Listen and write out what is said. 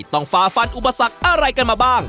ต้องฟาร์ฟรรดิอุปสรรคอะไรกันมาบ้าง